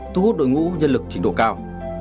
thu hút đội ngũ nhân lực trình độ cao